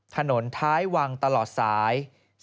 ถนนท้ายวังตลอดสาย